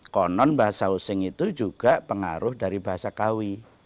konon bahasa using itu juga pengaruh dari bahasa kawi